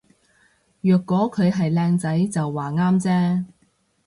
若果佢係靚仔就話啱啫